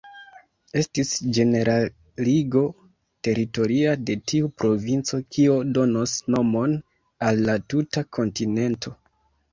Estis ĝeneraligo teritoria de tiu provinco kio donos nomon al la tuta kontinento.